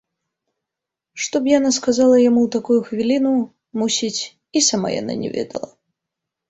Што б яна сказала яму ў такую хвіліну, мусіць, і сама яна не ведала.